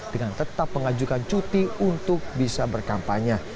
dengan tetap mengajukan cuti untuk bisa berkampanye